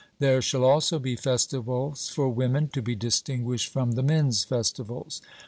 There shall also be festivals for women, to be distinguished from the men's festivals.